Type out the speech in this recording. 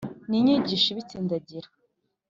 n’inyigisho ibitsindagira...